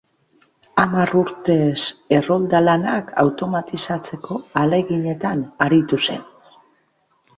Hamar urtez errolda-lanak automatizatzeko ahaleginetan aritu zen.